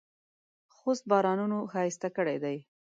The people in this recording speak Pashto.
خوست بارانونو ښایسته کړی دی.